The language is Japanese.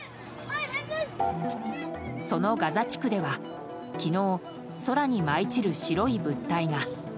そのガザ地区では昨日、空に舞い散る白い物体が。